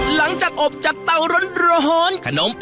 หลังจากอบจากเตาโรนโรหณ